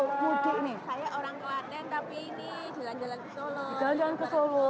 saya orang klaten tapi ini jalan jalan ke solo